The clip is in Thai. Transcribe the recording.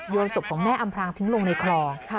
ศพของแม่อำพรางทิ้งลงในคลอง